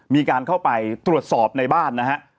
มีการเข้าไปตรวจสอบในบ้านนะฮะ